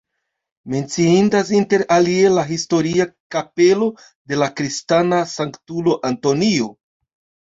Menciindas inter alie la historia kapelo de la kristana sanktulo Antonio.